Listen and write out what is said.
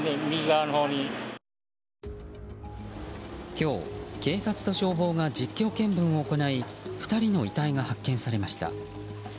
今日、警察と消防が実況見分を行い２人の遺体が発見されました。